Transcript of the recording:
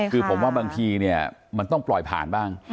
คือผมว่าบางทีเนี่ยมันต้องปล่อยผ่านบ้าง